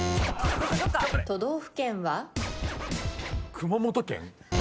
熊本県？